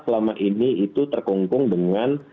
selama ini itu terkungkung dengan